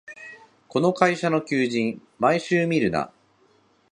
この会社の求人、毎週見るな